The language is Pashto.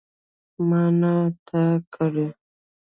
ما نه تا کړی.